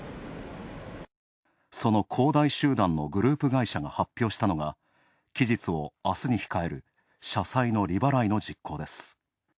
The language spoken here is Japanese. その恒大集団のグループ会社が発表したのが、期日を明日に控える社債の利払いの実行です。